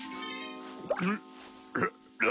うん？